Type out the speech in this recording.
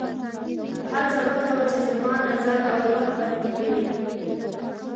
هڅه مه کوه چې زما نظر او روح بندي کړي